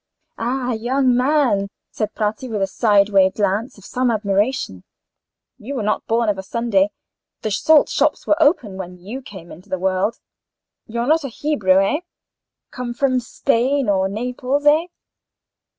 "Ah! young man," said Bratti, with a sideway glance of some admiration, "you were not born of a Sunday—the salt shops were open when you came into the world. You're not a Hebrew, eh?—come from Spain or Naples, eh?